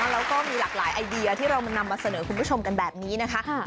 แล้วก็มีหลากหลายไอเดียที่เรามานำมาเสนอคุณผู้ชมกันแบบนี้นะคะ